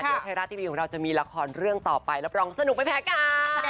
เดี๋ยวไทยรัฐทีวีของเราจะมีละครเรื่องต่อไปรับรองสนุกไม่แพ้กัน